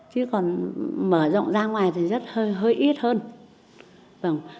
chứ còn mở rộng ra ngoài thì rất hơi hơi ít hơn